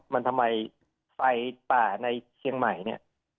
มันทำไมไฟป่าในเชียงใหม่เนี่ย